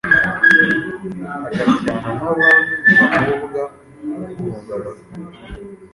Agasyana n’abandi bakobwa b’urungano rwiwe